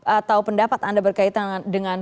atau pendapat anda berkaitan dengan